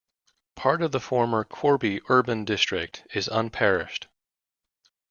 Part of the former Corby Urban District is unparished.